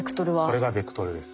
これがベクトルです。